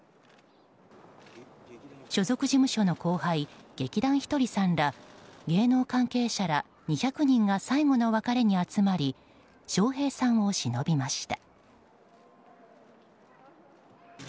所属事務所の後輩劇団ひとりさんら芸能関係者ら２００人が最期の別れに集まり笑瓶さんをしのびました。